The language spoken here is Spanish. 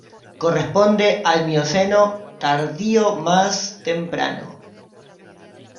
Corresponde al Mioceno tardío más temprano.